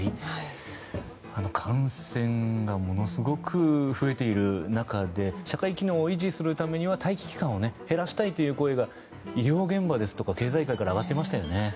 感染がものすごく増えている中で社会機能を維持するためには待機期間を減らしたいという声が医療現場ですとか経済界から上がっていましたよね。